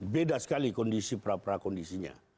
beda sekali pra pra kondisinya